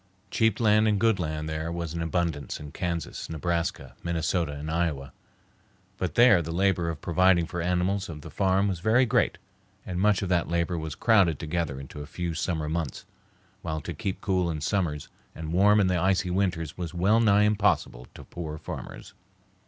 Cheap land and good land there was in abundance in Kansas, Nebraska, Minnesota, and Iowa; but there the labor of providing for animals of the farm was very great, and much of that labor was crowded together into a few summer months, while to keep cool in summers and warm in the icy winters was well nigh impossible to poor farmers.